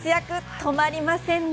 止まりませんね。